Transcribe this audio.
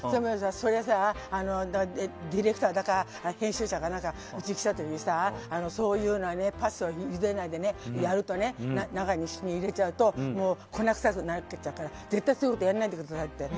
それ、ディレクターだか編集者がうちに来た時にそういうのはパスタをゆでないで中に一緒に入れちゃうと粉臭くなるから絶対そういうことやらないでくださいって。